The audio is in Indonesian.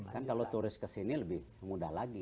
kan kalau turis ke sini lebih mudah lagi